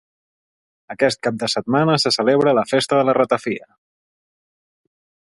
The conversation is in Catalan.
Aquest cap de setmana se celebra la Festa de la Ratafia.